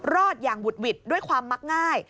รอดอย่างบุดหวิดด้วยความมักง่าย